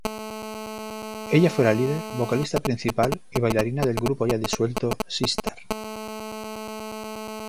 Ella fue la líder, vocalista principal y bailarina del grupo ya disuelto Sistar.